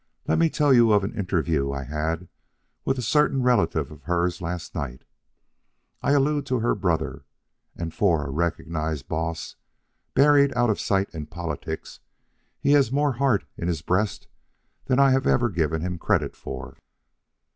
Let me tell you of an interview I had with a certain relative of hers last night. I allude to her brother, and for a recognized boss buried out of sight in politics, he has more heart in his breast than I have ever given him credit for.